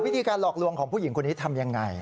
วิธีการหลอกลวงของผู้หญิงคนนี้ทำยังไง